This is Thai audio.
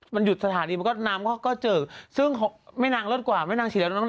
ในสถานีอะไรอย่างนี้หรอ